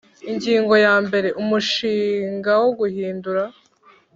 Ingingo ya mbere Umushinga wo guhindura